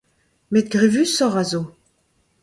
Met grevusoc'h a zo.